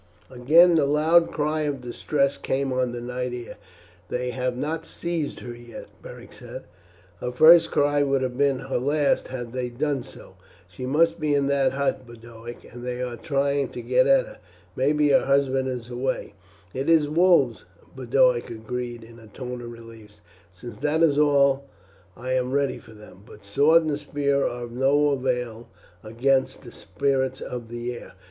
Again the loud cry of distress came on the night air. "They have not seized her yet," Beric said. "Her first cry would have been her last had they done so. She must be in that hut, Boduoc, and they are trying to get at her. Maybe her husband is away." "It is wolves," Boduoc agreed in a tone of relief. "Since that is all I am ready for them; but sword and spear are of no avail against the spirits of the air.